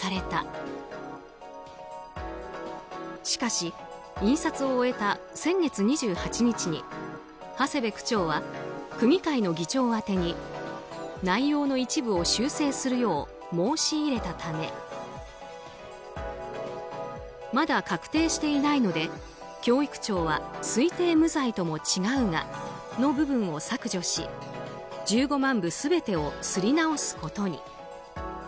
しかし、印刷を終えた先月２８日に長谷部区長は区議会の議長宛に内容の一部を修正するよう申し入れたためまだ確定していないので教育長は推定無罪とも違うがの部分を削除し１５万部全てを刷り直すことに。